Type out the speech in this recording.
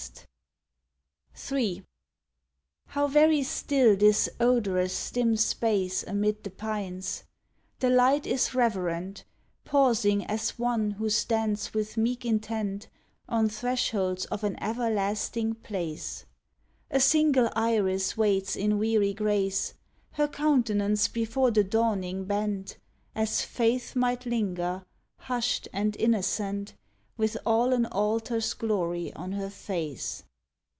41 SONNE'TS ON tHE SEA'S VOICE III How very still this odorous, dim space Amid the pines I the light is reverent, Pausing as one who stands with meek intent On thresholds of an everlasting place. A single iris waits in weary grace — Her countenance before the dawning bent, As Faith might linger, husht and innocent. With all an altar's glory on her face.